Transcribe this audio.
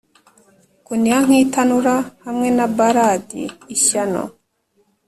kuniha nk'itanura, hamwe na ballad ishyano